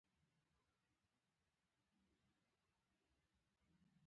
دوی غواړي چې د تیرې پیړۍ سپکاوی جبران کړي.